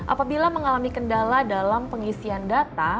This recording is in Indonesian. apabila mengalami kendala dalam pengisian data